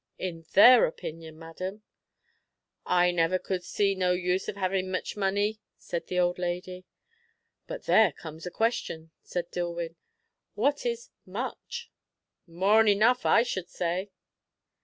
"In their opinion, madam." "I never could see no use in havin' much money," said the old lady. "But there comes a question," said Dillwyn. "What is 'much'?" "More'n enough, I should say."